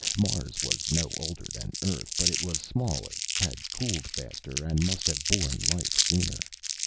Mars was no older than the Earth; but it was smaller, had cooled faster and must have borne life sooner.